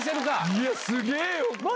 いや、すげぇよ。